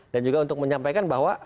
dan juga untuk menyampaikan bahwa